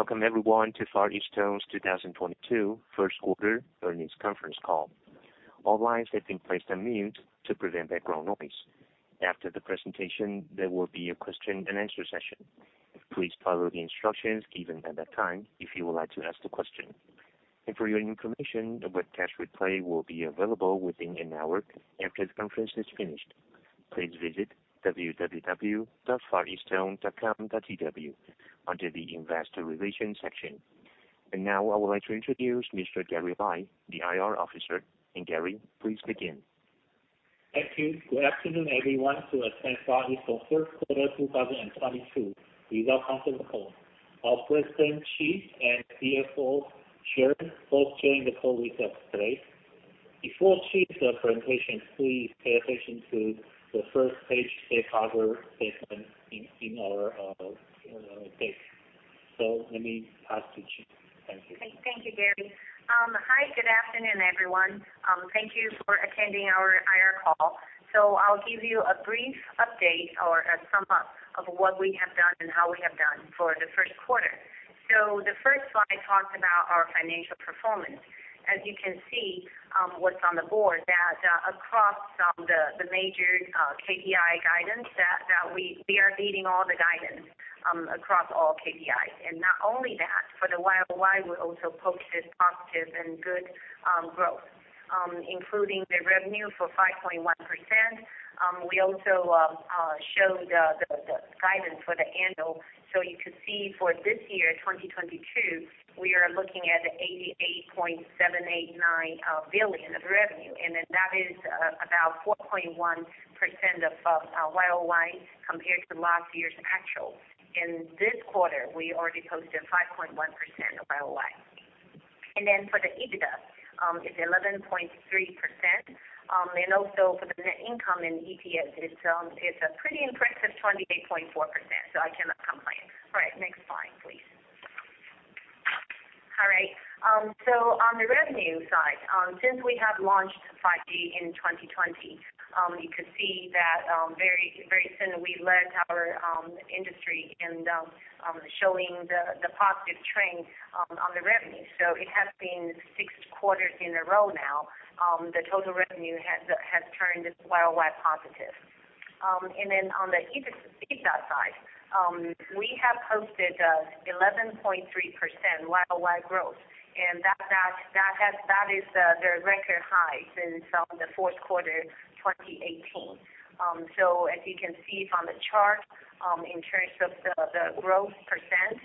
Welcome everyone to Far EasTone's 2022 First Quarter Earnings Conference Call. All lines have been placed on mute to prevent background noise. After the presentation, there will be a question and answer session. Please follow the instructions given at that time if you would like to ask the question. For your information, the webcast replay will be available within an hour after the conference is finished. Please visit www.fareastone.com.tw under the Investor Relations section. Now I would like to introduce Mr. Gary Lai, the IR officer. Gary, please begin. Thank you. Good afternoon, everyone who attends Far EasTone First Quarter 2022 Results Conference Call. Our President, Chee, and CFO, Sharon, both join the call with us today. Before Chee's presentation, please pay attention to the first page safe harbor statement in our case. Let me pass to Chee. Thank you. Thank you, Gary. Hi, good afternoon, everyone. Thank you for attending our IR call. I'll give you a brief update or a sum up of what we have done and how we have done for the first quarter. The first slide talks about our financial performance. As you can see, what's on the board that across the major KPI guidance that we are beating all the guidance across all KPIs. Not only that, for the YOY, we also posted positive and good growth, including the revenue for 5.1%. We also show the guidance for the annual. You could see for this year, 2022, we are looking at 88.789 billion of revenue, and then that is about 4.1% YOY compared to last year's actual. In this quarter, we already posted 5.1% YOY. For the EBITDA, it's 11.3%. And also for the net income and EPS, it's a pretty impressive 28.4%, so I cannot complain. All right. Next slide, please. All right. On the revenue side, since we have launched 5G in 2020, you could see that very, very soon we led our industry in showing the positive trend on the revenue. It has been six quarters in a row now. The total revenue has turned YOY positive. Then on the EBITDA side, we have posted 11.3% YOY growth, and that is the record high since the fourth quarter 2018. As you can see from the chart, in terms of the growth percent,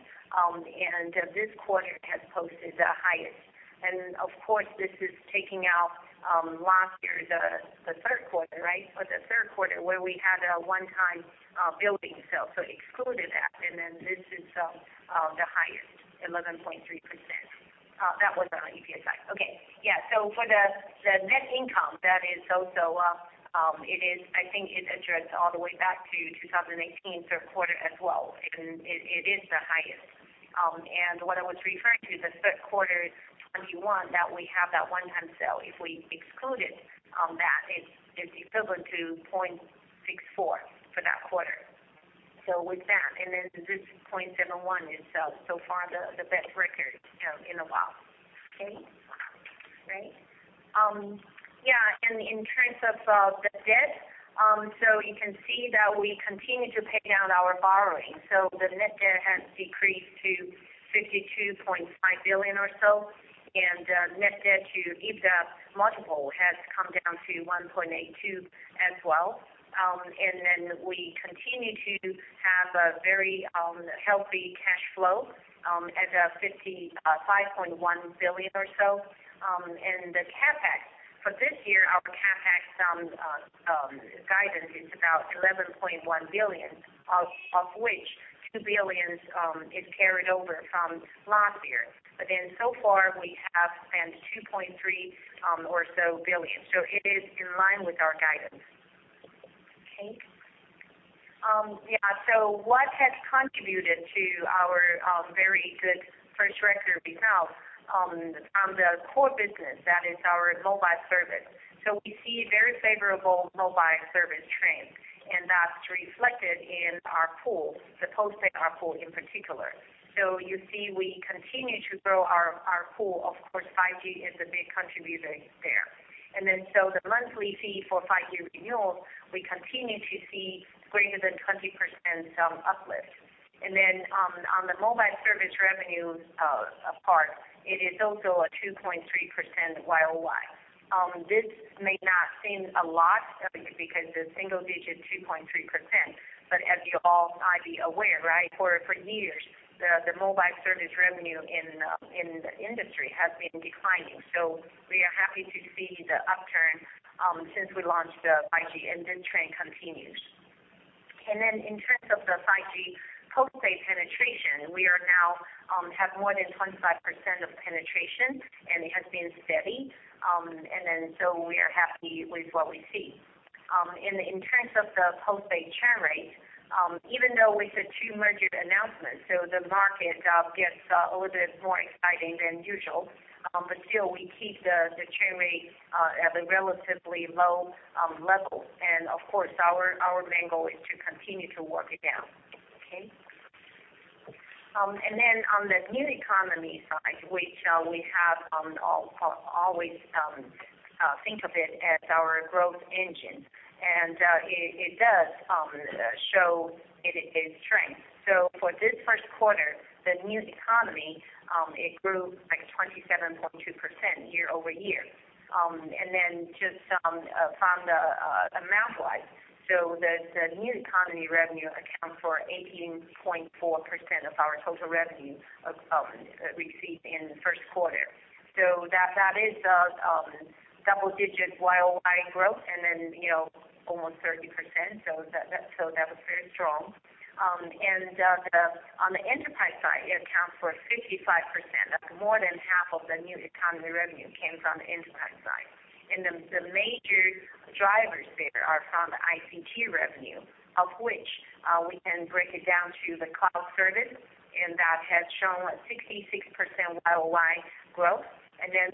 this quarter has posted the highest. Of course, this is taking out last year the third quarter, right? For the third quarter, where we had a one-time building sale, so excluded that, and then this is the highest 11.3%. That was on the EPS side. Okay. Yeah. For the net income, that is also. I think it dates all the way back to 2018 third quarter as well, and it is the highest. What I was referring to, the third quarter 2021, that we have that one-time sale. If we excluded that, it's equivalent to 0.64 for that quarter. With that, and then this 0.71 is so far the best record in a while. Okay. Great. Yeah, in terms of the debt, so you can see that we continue to pay down our borrowing. The net debt has decreased to 52.5 billion or so. Net debt to EBITDA multiple has come down to 1.82x as well. We continue to have a very healthy cash flow at 55.1 billion or so. The CapEx for this year, our CapEx guidance is about 11.1 billion, of which 2 billion is carried over from last year. So far, we have spent 2.3 billion or so. It is in line with our guidance. Okay. Yeah. What has contributed to our very good first record result from the core business, that is our mobile service. We see very favorable mobile service trend, and that's reflected in our pool, the post-paid RP pool in particular. You see we continue to grow our pool. Of course, 5G is a big contributor there. The monthly fee for 5G renewal, we continue to see greater than 20% uplift. On the mobile service revenue part, it is also a 2.3% YOY. This may not seem a lot because the single-digit 2.3%, but as you all might be aware, right? For years, the mobile service revenue in the industry has been declining. We are happy to see the upturn since we launched the 5G, and the trend continues. In terms of the 5G post-paid penetration, we now have more than 25% penetration, and it has been steady. We are happy with what we see. In terms of the post-paid churn rate, even though with the two merger announcements, so the market gets a little bit more exciting than usual, but still we keep the churn rate at a relatively low level. Of course, our main goal is to continue to work it down. Okay. On the new economy side, which we have always think of it as our growth engine, and it does show its strength. For this first quarter, the new economy, it grew like 27.2% year-over-year. Just from the amount-wise, so the new economy revenue accounts for 18.4% of our total revenue received in the first quarter. That is double-digit YOY growth and then, you know, almost 30%. That was very strong. On the enterprise side, it accounts for 55%. That is more than half of the new economy revenue came from the enterprise side. The major drivers there are from the ICT revenue, of which we can break it down to the cloud service, and that has shown 66% YOY growth.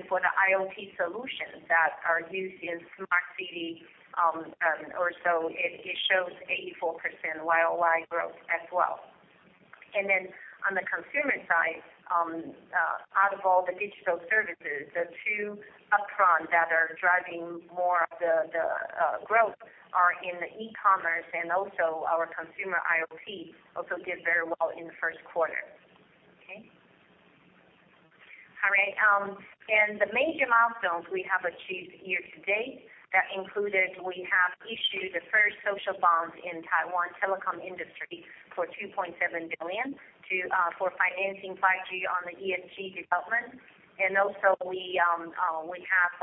For the IoT solutions that are used in smart city, it shows 84% YOY growth as well. On the consumer side, out of all the digital services, the two upfront that are driving more of the growth are in the e-commerce and also our consumer IoT also did very well in the first quarter. Okay? All right. The major milestones we have achieved year-to-date that included we have issued the first social bonds in Taiwan telecom industry for 2.7 billion for financing 5G on the ESG development. We have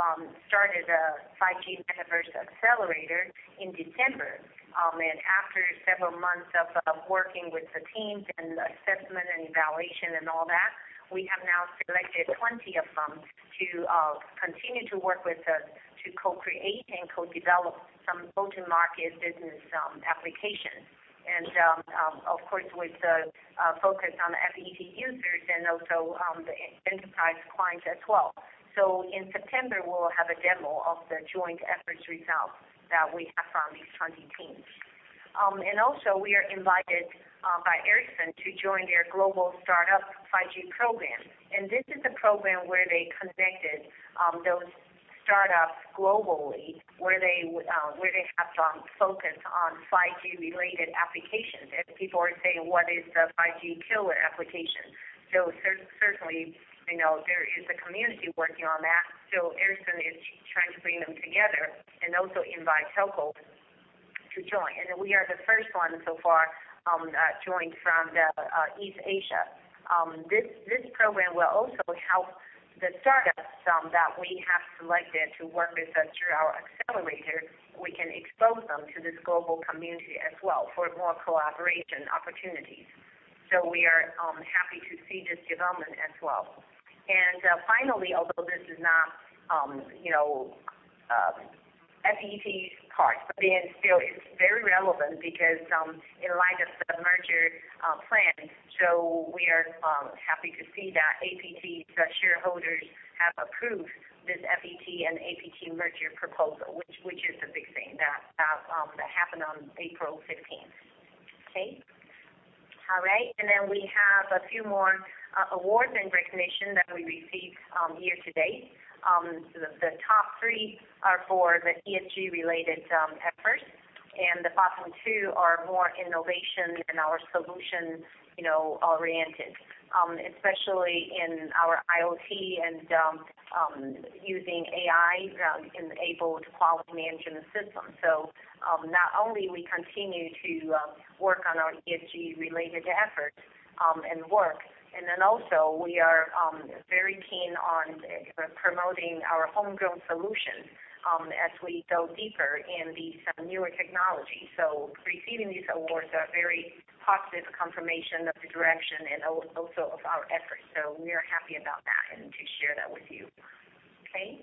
started a 5G Metaverse accelerator in December. After several months of working with the teams and assessment and evaluation and all that, we have now selected 20 of them to continue to work with us to co-create and co-develop some go-to-market business applications, of course, with the focus on FET users and also the enterprise clients as well. In September, we'll have a demo of the joint efforts results that we have from these 20 teams. We are invited by Ericsson to join their global startup 5G program. This is a program where they connected those startups globally, where they have focused on 5G related applications. As people are saying, "What is the 5G killer application?" Certainly, you know, there is a community working on that. Ericsson is trying to bring them together and also invite telcos to join. We are the first one so far joined from East Asia. This program will also help the startups that we have selected to work with us through our accelerator. We can expose them to this global community as well for more collaboration opportunities. We are happy to see this development as well. Finally, although this is not, you know, FET's part, but then still it's very relevant because, in light of the merger plan, we are happy to see that APT, the shareholders have approved this FET and APT merger proposal, which is a big thing that happened on April 15. Okay. All right. We have a few more awards and recognition that we received year-to-date. The top three are for the ESG related efforts, and the bottom two are more innovation and our solution, you know, oriented, especially in our IoT and using AI enabled quality engine system. Not only we continue to work on our ESG related efforts, and then also we are very keen on promoting our homegrown solutions, as we go deeper in these newer technologies. Receiving these awards are very positive confirmation of the direction and also of our efforts. We are happy about that and to share that with you. Okay.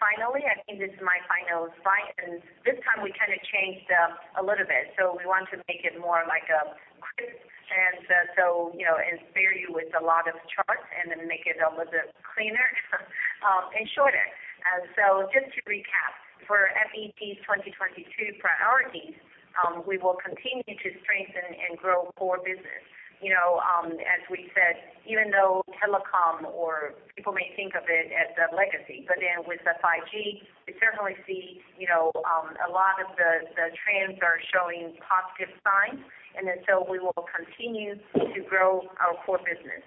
Finally, I think this is my final slide, and this time we kind of changed a little bit. We want to make it more like a crisp and, you know, spare you with a lot of charts and then make it a little bit cleaner and shorter. Just to recap, for FET's 2022 priorities, we will continue to strengthen and grow core business. You know, as we said, even though telecom or people may think of it as the legacy, but then with the 5G, we certainly see a lot of the trends are showing positive signs, we will continue to grow our core business.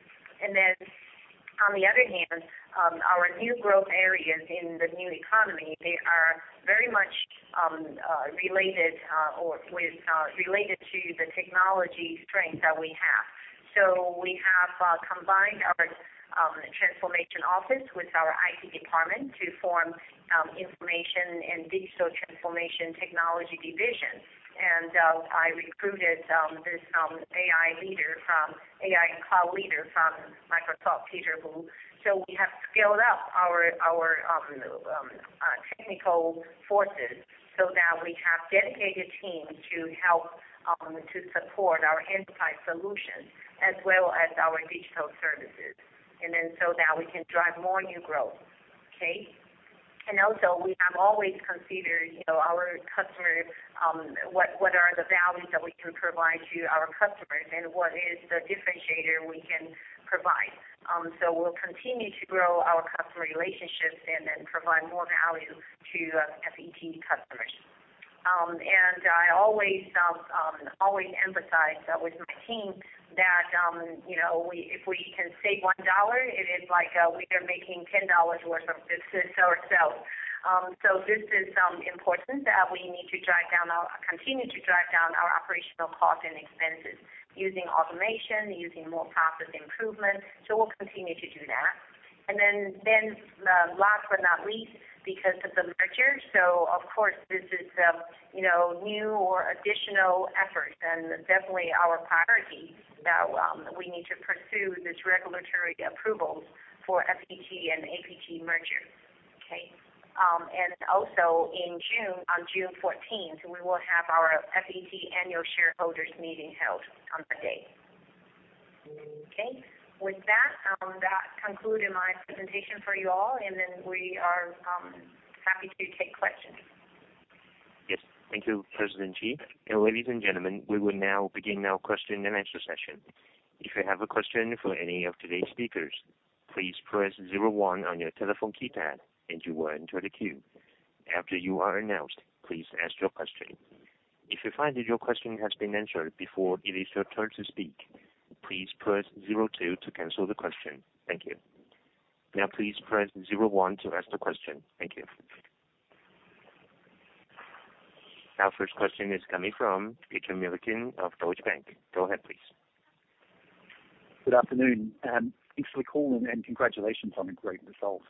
On the other hand, our new growth areas in the new economy, they are very much related to the technology strength that we have. We have combined our transformation office with our IT department to form Information and Digital Transformation Technology Division. I recruited this AI and cloud leader from Microsoft, Peter Wu. We have scaled up our technical forces. Now we have dedicated team to help to support our enterprise solutions as well as our digital services. Now we can drive more new growth. Okay. We have always considered, you know, our customers, what are the values that we can provide to our customers and what is the differentiator we can provide. We'll continue to grow our customer relationships and then provide more value to FET customers. I always emphasize that with my team that, you know, if we can save $1, it is like we are making $10 worth of this to ourselves. This is important that we need to continue to drive down our operational costs and expenses using automation, using more process improvement. We'll continue to do that. Last but not least, because of the merger, this is, you know, new or additional effort and definitely our priority that we need to pursue these regulatory approvals for FET and APT merger. Okay. Also in June, on June 14th, we will have our FET annual shareholders meeting held on that day. Okay. With that concluded my presentation for you all, and we are happy to take questions. Yes. Thank you, President Ch. Ladies and gentlemen, we will now begin our question and answer session. If you have a question for any of today's speakers, please press 0 1 on your telephone keypad, and you will enter the queue. After you are announced, please ask your question. If you find that your question has been answered before it is your turn to speak, please press 0 2 to cancel the question. Thank you. Now please press 0 1 to ask the question. Thank you. Our first question is coming from Peter Milliken of Deutsche Bank. Go ahead, please. Good afternoon, and thanks for the call and congratulations on the great results.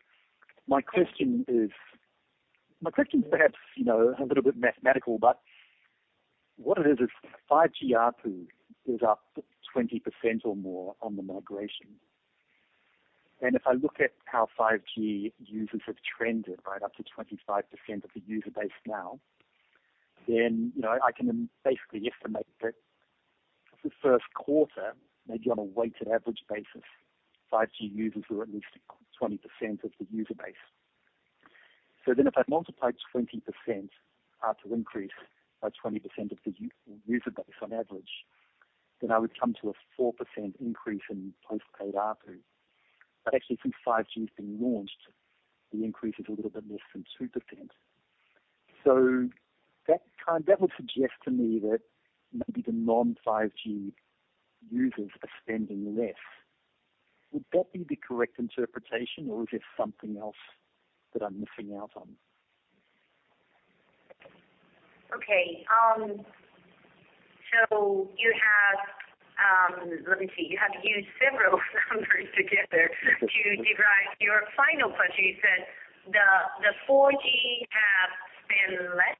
My question is perhaps, you know, a little bit mathematical, but what it is 5G ARPU is up 20% or more on the migration. If I look at how 5G users have trended right up to 25% of the user base now, then, you know, I can basically estimate that the first quarter, maybe on a weighted average basis, 5G users were at least 20% of the user base. If I multiply 20% ARPU increase by 20% of the user base on average, then I would come to a 4% increase in postpaid ARPU. Actually since 5G has been launched, the increase is a little bit less than 2%. That would suggest to me that maybe the non-5G users are spending less. Would that be the correct interpretation or is there something else that I'm missing out on? Okay. You have, let me see. You have used several numbers together to derive your final question. You said the 4G have spent less.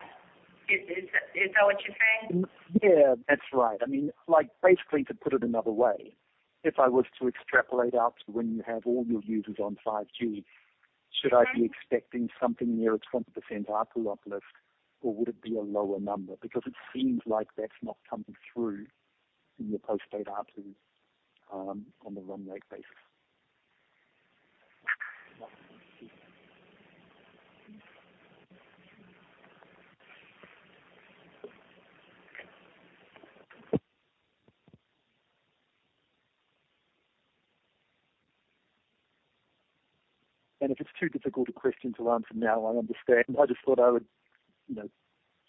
Is that what you're saying? Yeah, that's right. I mean, like basically to put it another way, if I was to extrapolate out to when you have all your users on 5G, should I be expecting something near a 20% ARPU uplift or would it be a lower number? Because it seems like that's not coming through in your postpaid ARPUs on the run rate basis. If it's too difficult a question to answer now, I understand. I just thought I would, you know,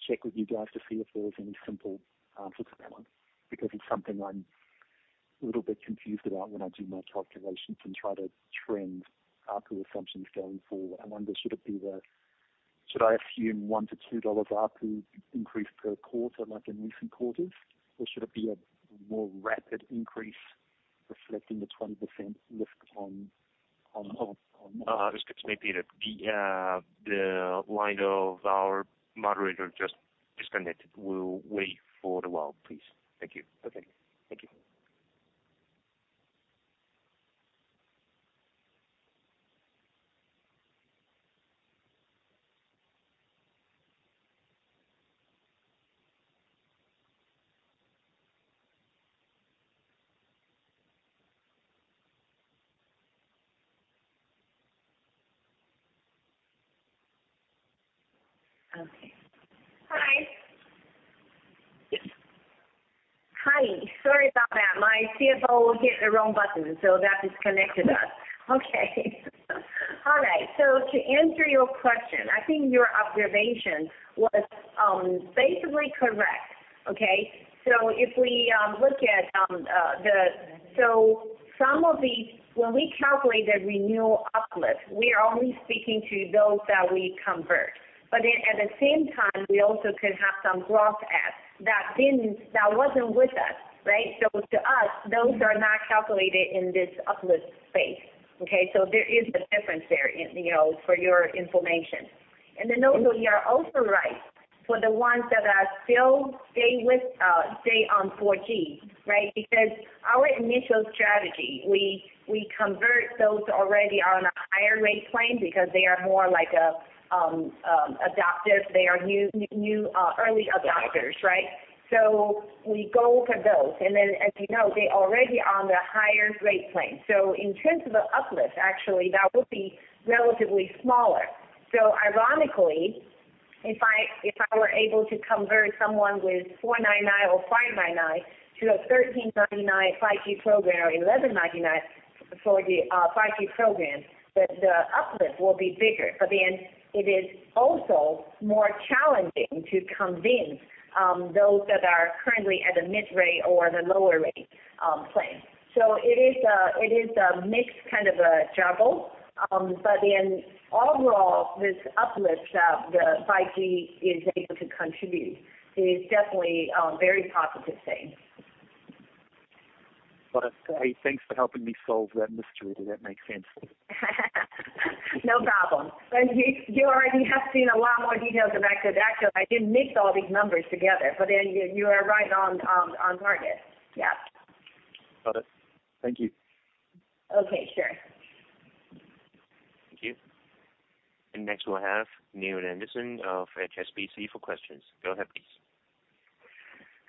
check with you guys to see if there was any simple answer to that one, because it's something I'm a little bit confused about when I do my calculations and try to trend ARPU assumptions going forward. I wonder, should it be? Should I assume 1-2 dollars ARPU increase per quarter, like in recent quarters, or should it be a more rapid increase reflecting the 20% lift on? Excuse me, Peter. The line of our moderator just disconnected. We'll wait for a while, please. Thank you. Okay. Thank you. Okay. Hi. Yes. Hi. Sorry about that. My CFO hit the wrong button, so that disconnected us. Okay. All right. To answer your question, I think your observation was basically correct. Okay? If we look at when we calculate the renewal uplift, we are only speaking to those that we convert. Then at the same time, we also could have some growth adds that wasn't with us, right? To us, those are not calculated in this uplift space. Okay? There is a difference there, you know, for your information. Then also, you are also right for the ones that are still stay on 4G, right? Because our initial strategy, we convert those already on a higher rate plan because they are more like a adaptive. They are new early adopters, right? We go for those. Then as you know, they're already on the higher rate plan. In terms of the uplift, actually that will be relatively smaller. Ironically. If I were able to convert someone with 499 or 599 to a 1,399 5G program or 1,199 for the 5G program, that the uplift will be bigger. It is also more challenging to convince those that are currently at a mid-rate or the lower rate plan. It is a mixed kind of a juggle. Overall, this uplift of the 5G is able to contribute is definitely a very positive thing. I say thanks for helping me solve that mystery, if that make sense. No problem. You already have seen a lot more details of actual to actual. I didn't mix all these numbers together, but then you are right on target. Yeah. Got it. Thank you. Okay, sure. Thank you. Next we'll have Neale Anderson of HSBC for questions. Go ahead, please.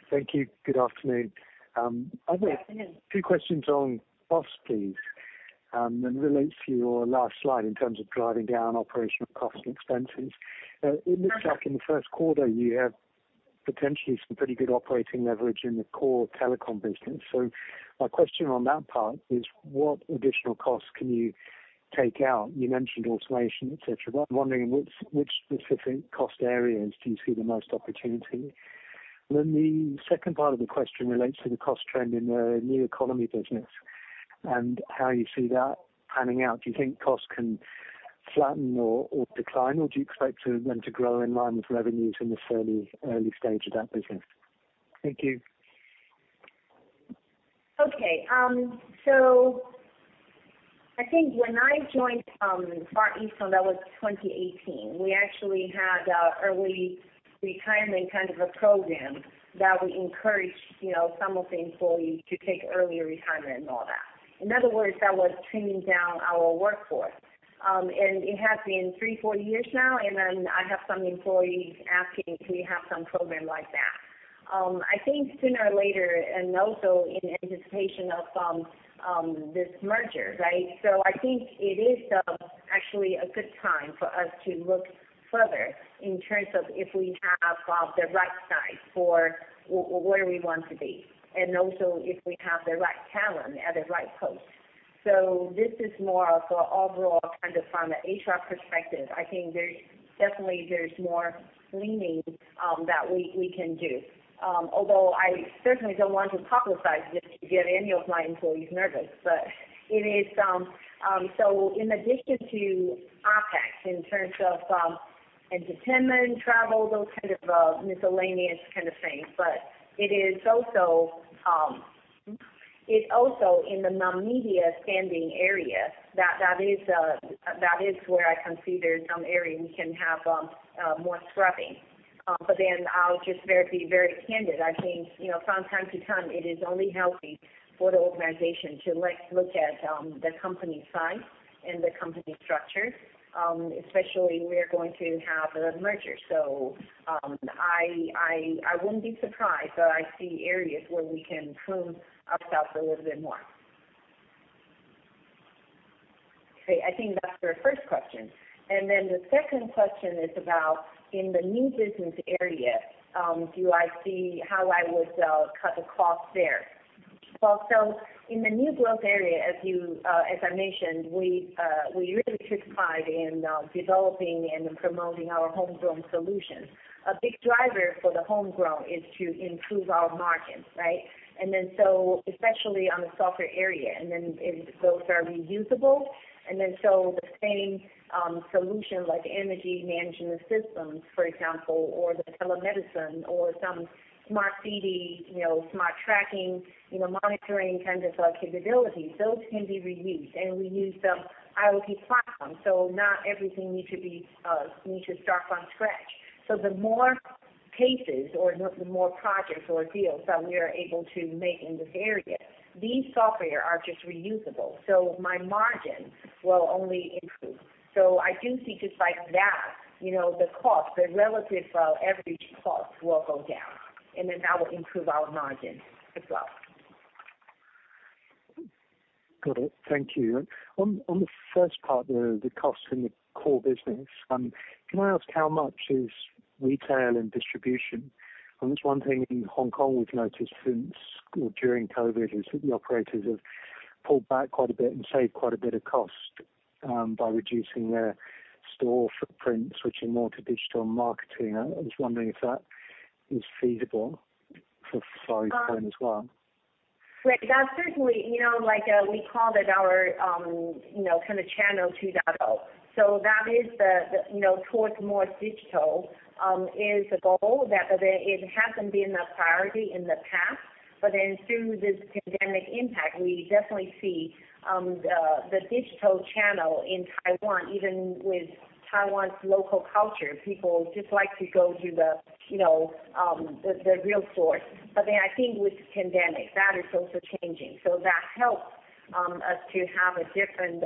Thank you. Good afternoon. Good afternoon. Two questions on costs, please, and relates to your last slide in terms of driving down operational costs and expenses. It looks like- Okay. -in the first quarter you have potentially some pretty good operating leverage in the core telecom business. My question on that part is what additional costs can you take out? You mentioned automation, et cetera. I'm wondering in which specific cost areas do you see the most opportunity? The second part of the question relates to the cost trend in the new economy business and how you see that panning out. Do you think costs can flatten or decline, or do you expect them to grow in line with revenues in this early stage of that business? Thank you. Okay. So I think when I joined, Far EasTone, so that was 2018, we actually had an early retirement kind of a program that we encouraged, you know, some of the employees to take early retirement and all that. In other words, that was trimming down our workforce. It has been three, four years now, and then I have some employees asking, "Can we have some program like that?" I think sooner or later, and also in anticipation of, this merger, right? I think it is, actually a good time for us to look further in terms of if we have, the right size for where we want to be, and also if we have the right talent at the right post. This is more of a overall kind of from an HR perspective. I think there's definitely more cleaning that we can do. Although I certainly don't want to publicize this to get any of my employees nervous, it is so in addition to OpEx in terms of entertainment, travel, those kind of miscellaneous kind of things, but it is also in the non-media spending area, that is where I can see there's some area we can have more scrubbing. I'll just be very candid. I think, you know, from time to time, it is only healthy for the organization to let's look at the company size and the company structure, especially we are going to have a merger. I wouldn't be surprised, but I see areas where we can prune ourselves a little bit more. Okay. I think that's your first question. The second question is about in the new business area, do I see how I would cut the cost there? Well, in the new growth area, as you, as I mentioned, we really take pride in developing and promoting our homegrown solutions. A big driver for the homegrown is to improve our margins, right? Especially on the software area, and then if those are reusable, and then so the same solution like energy management systems, for example, or the telemedicine or some smart city, you know, smart tracking, you know, monitoring kind of capabilities, those can be reused. We use the IOP platform, so not everything needs to start from scratch. The more cases or the more projects or deals that we are able to make in this area, these software are just reusable. My margins will only improve. I do see just like that, you know, the relative average cost will go down, and then that will improve our margin as well. Got it. Thank you. On the first part, the cost in the core business, can I ask how much is retail and distribution? There's one thing in Hong Kong we've noticed since or during COVID is that the operators have pulled back quite a bit and saved quite a bit of cost, by reducing their store footprint, switching more to digital marketing. I was wondering if that is feasible for Far EasTone as well. Right. That certainly, you know, like, we call it our, you know, kind of channel 2.0. That is the, you know, towards more digital, is a goal that, but it hasn't been a priority in the past. Through this pandemic impact, we definitely see, the digital channel in Taiwan, even with Taiwan's local culture, people just like to go to the, you know, the real source. I think with the pandemic, that is also changing. That helps us to have a different,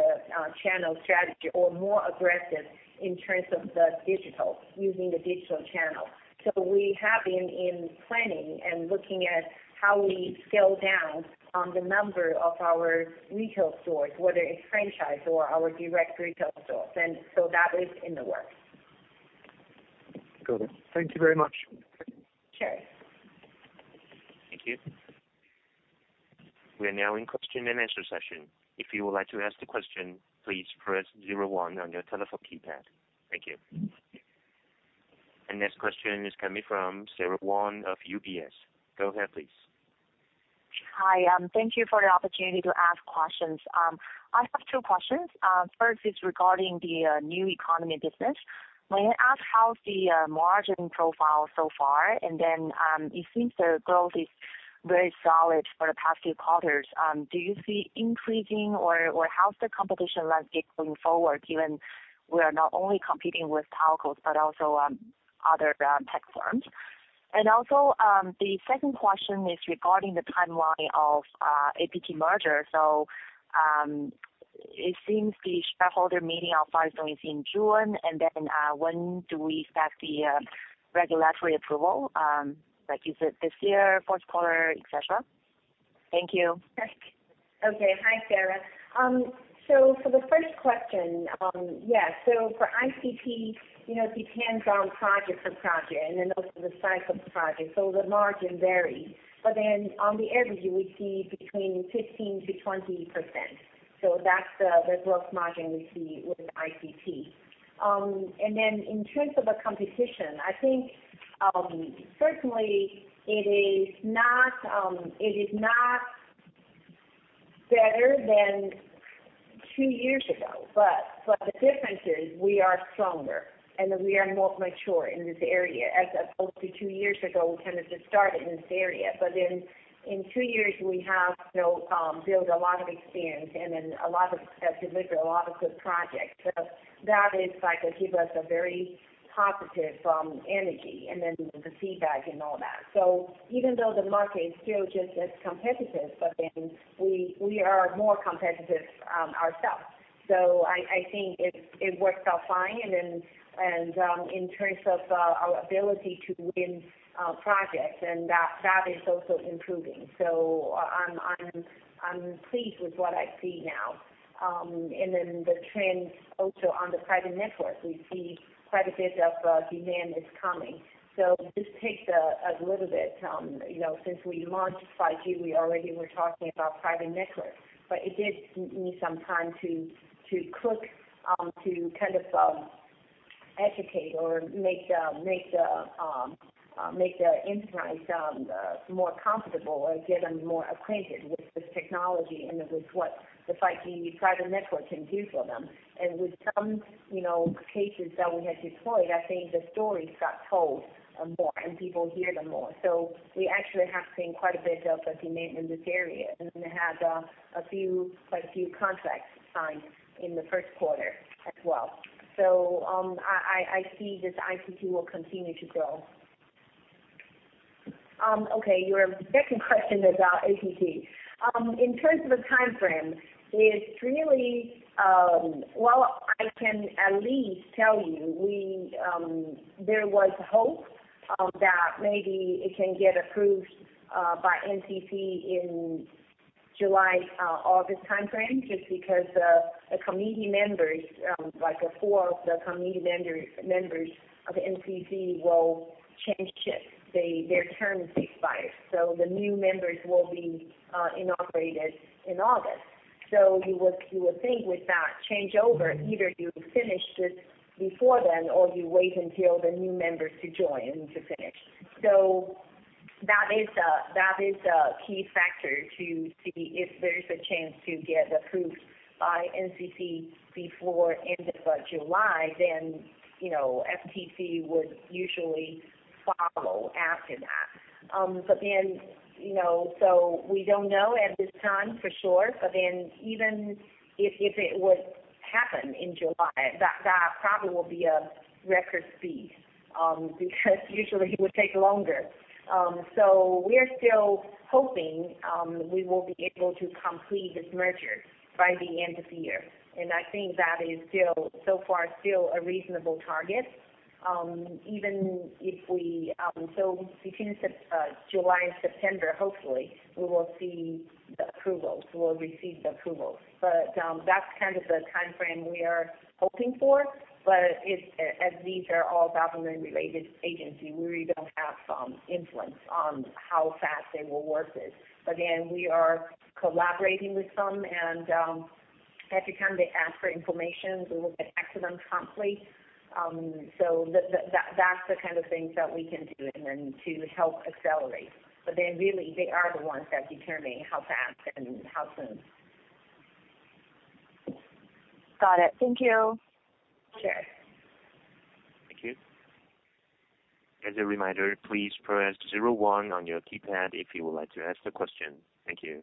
channel strategy or more aggressive in terms of the digital, using the digital channel. We have been in planning and looking at how we scale down on the number of our retail stores, whether it's franchise or our direct retail stores. That is in the works. Got it. Thank you very much. Sure. Thank you. We are now in question and answer session. If you would like to ask the question, please press 0 1 on your telephone keypad. Thank you. The next question is coming from Sara Wang of UBS. Go ahead, please. Hi, thank you for the opportunity to ask questions. I have two questions. First is regarding the new economy business. May I ask how's the margin profile so far? It seems the growth is very solid for the past few quarters. Do you see increasing or how's the competition landscape going forward, given we are not only competing with telcos but also other tech firms? The second question is regarding the timeline of APT merger. It seems the shareholder meeting on file is only in June. When do we expect the regulatory approval, like you said this year, fourth quarter, et cetera? Thank you. Okay. Hi, Sara. For the first question, yes. For ICT, you know, it depends on project to project and then also the size of the project. The margin varies. On the average, you would see between 15%-20%. That's the gross margin we see with ICT. In terms of the competition, I think certainly it is not better than two years ago. The difference is we are stronger, and we are more mature in this area as opposed to two years ago, we kind of just started in this area. In two years we have built a lot of experience and have delivered a lot of good projects. That is like give us a very positive energy and then the feedback and all that. Even though the market is still just as competitive, but then we are more competitive ourselves. I think it works out fine. In terms of our ability to win projects and that is also improving. I'm pleased with what I see now. The trends also on the private network, we see quite a bit of demand is coming. This takes a little bit, you know, since we launched 5G, we already were talking about private networks, but it did need some time to click, to kind of educate or make the enterprise more comfortable or get them more acquainted with this technology and with what the 5G private network can do for them. With some, you know, cases that we had deployed, I think the stories got told more and people hear them more. We actually have seen quite a bit of a demand in this area. We had quite a few contracts signed in the first quarter as well. I see this ICT will continue to grow. Okay, your second question about APT. In terms of a timeframe, it's really well, I can at least tell you there was hope that maybe it can get approved by NCC in July, August timeframe, just because the committee members, like four of the committee members of the NCC will change shift. Their term expires, so the new members will be inaugurated in August. You would think with that changeover, either you finish this before then or you wait until the new members to join to finish. That is the key factor to see if there's a chance to get approved by NCC before end of July. You know, FTC would usually follow after that. But then, you know, we don't know at this time for sure. Even if it would happen in July, that probably will be a record speed, because usually it would take longer. We're still hoping we will be able to complete this merger by the end of the year. I think that is still, so far, still a reasonable target. Between July and September, hopefully we will see the approvals. We'll receive the approvals. That's kind of the timeframe we are hoping for. It's, as these are all government-related agencies, we really don't have influence on how fast they will work it. We are collaborating with them and, every time they ask for information, we will get back to them promptly. That's the kind of things that we can do and then to help accelerate. Really they are the ones that determine how fast and how soon. Got it. Thank you. Sure. Thank you. As a reminder, please press 0 1 on your keypad if you would like to ask the question. Thank you.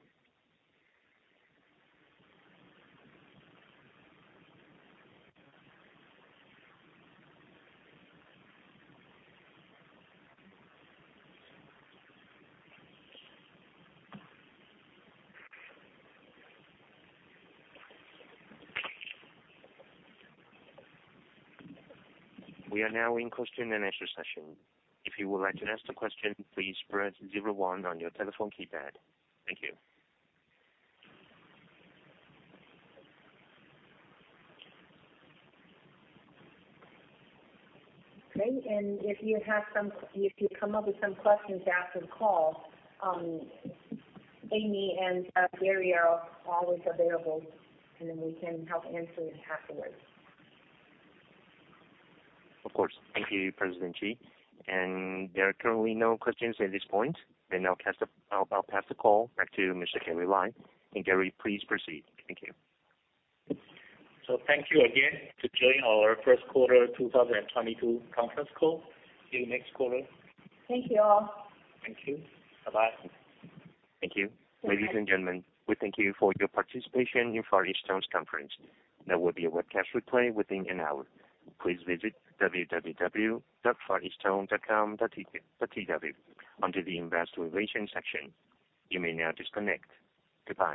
We are now in question and answer session. If you would like to ask the question, please press 0 1 on your telephone keypad. Thank you. Okay. If you come up with some questions after the call, Amy and Gary are always available, and then we can help answer it afterwards. Of course. Thank you, President Chee. There are currently no questions at this point. I'll pass the call back to Mr. Gary Lai. Gary, please proceed. Thank you. Thank you again to join our first quarter 2022 conference call. See you next quarter. Thank you all. Thank you. Bye-bye. Thank you. Ladies and gentlemen, we thank you for your participation in Far EasTone's conference. There will be a webcast replay within an hour. Please visit www.fareastone.com.tw under the Investor Relations section. You may now disconnect. Goodbye.